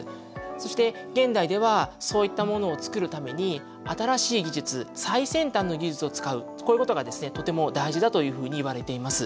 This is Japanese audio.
そして現代ではそういったものを作るために新しい技術最先端の技術を使うこういうことがとても大事だというふうにいわれています。